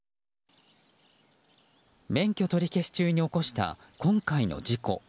免許取り消し中に起こした今回の事故。